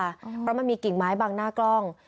เพราะมันมีกิ่งไม้บังหน้ากล้อง